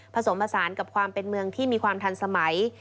ผสมผสานกับความเป็นเมืองที่มีความทันสมัย